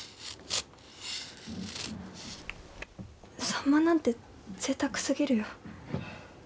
サンマなんてぜいたくすぎるよ。